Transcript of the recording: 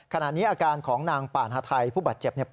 ขณะนี้อาการของนางปานฮาไทผู้บัดเจ็บปลอดภัยแล้ว